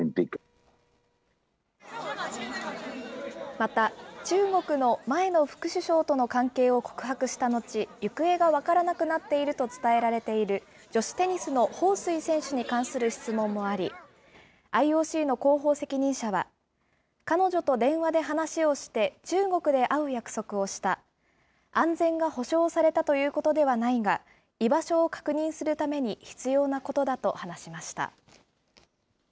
また、中国の前の副首相との関係を告白した後、行方が分からなくなっていると伝えられている女子テニスの彭帥選手に関する質問もあり、ＩＯＣの広報責任者は、彼女と電話で話をして、中国で会う約束をした、安全が保障されたということではないが、居場所を確認するために、必要なことだと話しました。